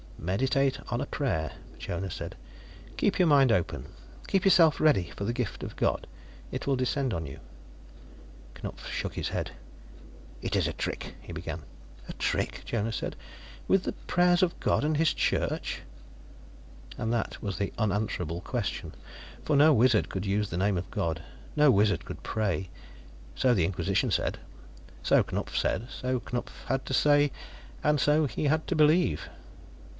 "Meditate on a prayer," Jonas said. "Keep your mind open, keep yourself ready for the gift of God. It will descend on you." Knupf shook his head. "It is a trick " he began. "A trick?" Jonas said. "With the prayers of God and His Church?" And that was the unanswerable question. For no wizard could use the name of God, no wizard could pray. So the Inquisition said; so Knupf said, so Knupf had to say, and so he had to believe.